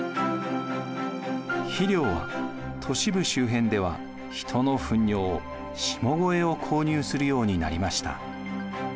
肥料は都市部周辺では人のふん尿下肥を購入するようになりました。